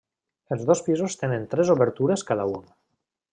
Els dos pisos tenen tres obertures cada un.